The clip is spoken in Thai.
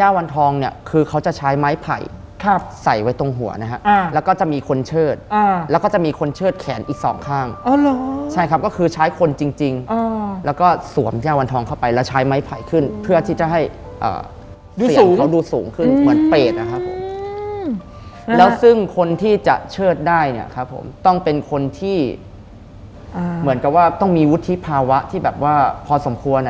ย่าวันทองเนี่ยคือเขาจะใช้ไม้ไผ่ใส่ไว้ตรงหัวนะฮะแล้วก็จะมีคนเชิดแล้วก็จะมีคนเชิดแขนอีกสองข้างใช่ครับก็คือใช้คนจริงแล้วก็สวมย่าวันทองเข้าไปแล้วใช้ไม้ไผ่ขึ้นเพื่อที่จะให้เสียงเขาดูสูงขึ้นเหมือนเปรตนะครับแล้วซึ่งคนที่จะเชิดได้เนี่ยครับผมต้องเป็นคนที่เหมือนกับว่าต้องมีวุฒิภาวะที่แบบว่าพอสมควร